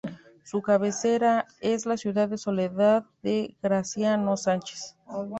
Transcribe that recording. Su cabecera es la ciudad de Soledad de Graciano Sánchez.